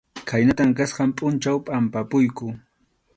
Khaynatam kasqan pʼunchaw pʼampapuyku.